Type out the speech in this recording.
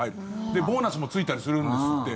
で、ボーナスもついたりするんですって。